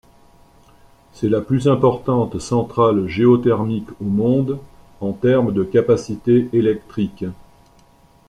C'est la plus importante centrale géothermique au monde en termes de capacité électrique.